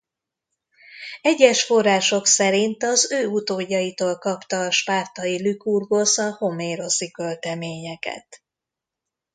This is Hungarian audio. Egyes források szerint az ő utódjaitól kapta a spártai Lükurgosz a homéroszi költeményeket.